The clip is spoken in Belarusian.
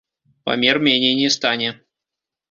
Памер меней не стане.